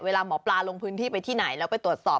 เวลาหมอปลาลงพื้นที่ไปที่ไหนแล้วไปตรวจสอบ